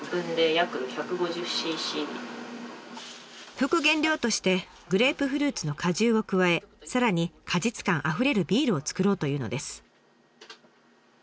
副原料としてグレープフルーツの果汁を加えさらに果実感あふれるビールをつくろうというのです。